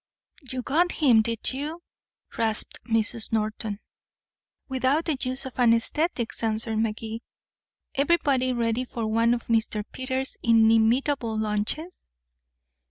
"You got him, didyu?" rasped Mrs. Norton. "Without the use of anesthetics," answered Magee. "Everybody ready for one of Mr. Peters' inimitable lunches?"